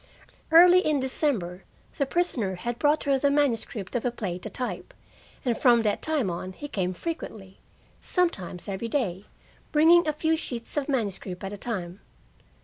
Early in December the prisoner had brought her the manuscript of a play to type, and from that time on he came frequently, sometimes every day, bringing a few sheets of manuscript at a time.